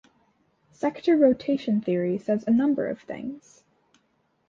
Sector rotation theory says a number of things.